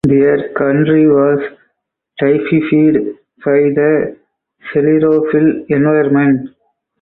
Their country was typified by the sclerophyll environment.